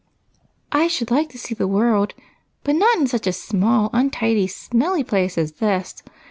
" I should like to see the world, but not in such a small, untidy, smelly place as this.